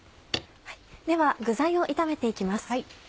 では具材を炒めて行きます。